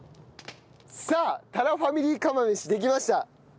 さあたらファミリー釜飯できました！